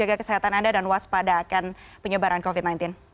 jaga kesehatan anda dan waspadakan penyebaran covid sembilan belas